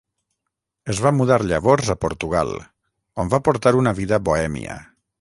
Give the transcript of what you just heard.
Es va mudar llavors a Portugal, on va portar una vida bohèmia.